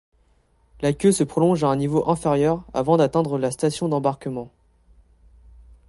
La queue se prolonge à un niveau inférieur, avant d'atteindre la station d'embarquement.